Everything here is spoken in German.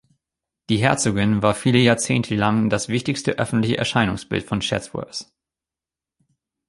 Die Herzogin war viele Jahrzehnte lang das wichtigste öffentliche Erscheinungsbild von Chatsworth.